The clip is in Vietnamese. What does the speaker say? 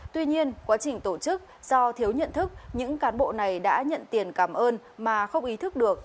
tuy nhiên quá trình tổ chức do thiếu nhận thức những cán bộ này đã nhận tiền cảm ơn mà không ý thức được